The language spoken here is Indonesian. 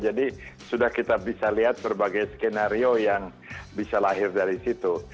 jadi sudah kita bisa lihat berbagai skenario yang bisa lahir dari situ